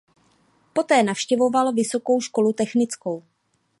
Poté navštěvoval vysokou školu technickou.